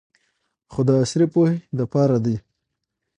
خو د عصري پوهې د پاره دې